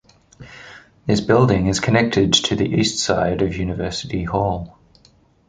This building is connected to the east side of University Hall.